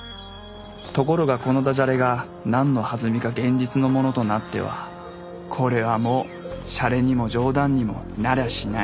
ところがこのダジャレが何のはずみか現実のものとなってはこれはもうシャレにも冗談にもなりゃしない。